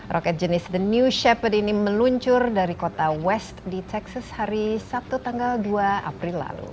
roket jenis the new shaped ini meluncur dari kota west di texas hari sabtu tanggal dua april lalu